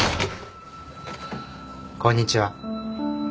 こんにちは。